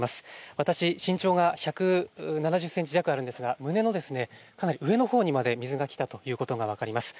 私、身長が１７０センチ弱あるんですが、胸のかなり上のほうにまで水が来たということが分かります。